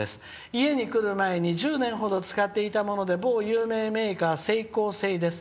家に来る前に１０年ほど使っていたもので某有名メーカー、セイコー製です。